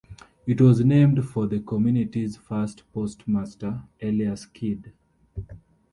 It was named for the community's first postmaster, Elias Kidd.